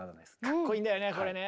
かっこいいんだよねこれね。